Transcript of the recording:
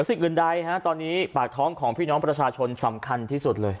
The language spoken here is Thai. สิ่งอื่นใดตอนนี้ปากท้องของพี่น้องประชาชนสำคัญที่สุดเลย